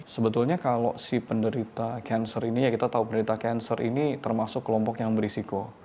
sebetulnya kalau si penderita cancer ini ya kita tahu penderita cancer ini termasuk kelompok yang berisiko